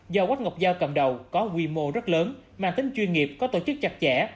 do quách ngọc giao cầm đầu có quy mô rất lớn mang tính chuyên nghiệp có tổ chức chặt chẽ